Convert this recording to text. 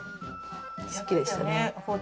好きでしたね。